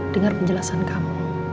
dengar penjelasan kamu